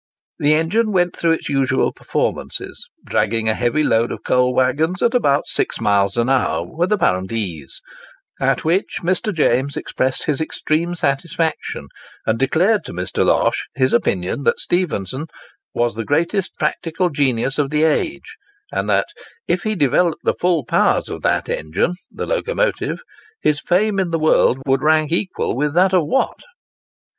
The engine went through its usual performances, dragging a heavy load of coal waggons at about six miles an hour, with apparent ease, at which Mr. James expressed his extreme satisfaction, and declared to Mr. Losh his opinion that Stephenson "was the greatest practical genius of the age," and that, "if he developed the full powers of that engine (the locomotive), his fame in the world would rank equal with that of Watt."